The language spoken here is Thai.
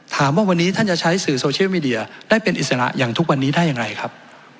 ถามว่าวันนี้ท่านจะใช้สื่อโซเชียลมีเดียได้เป็นอิสระอย่างทุกวันนี้ได้อย่างไรครับ